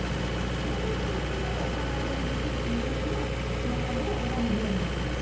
納体袋の上からお花入れができるというようなお別れは他の部屋でもできます。